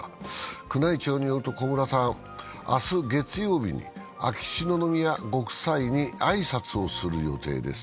宮内庁によると、小室さん、明日月曜日に秋篠宮ご夫妻に挨拶をする予定です。